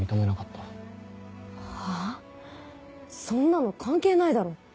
そんなの関係ないだろ。